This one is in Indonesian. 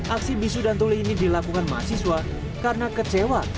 aksi bisu dan tuli ini dilakukan mahasiswa karena kecewa